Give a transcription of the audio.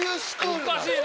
おかしいな。